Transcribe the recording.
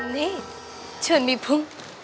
นี่ช่วงมีภูมิ